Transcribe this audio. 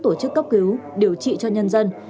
tổ chức cấp cứu điều trị cho nhân dân